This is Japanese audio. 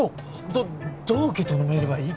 どどう受け止めればいい？